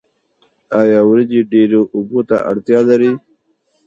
آیا وریجې ډیرو اوبو ته اړتیا لري؟